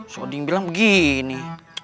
so dia bilang begini